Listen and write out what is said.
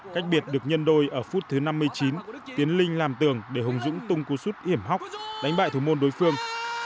cách biệt được nhân đôi ở phút thứ năm mươi chín tiến linh làm tường để hùng dũng tung cú sút iểm hóc đánh bại thủ môn đối phương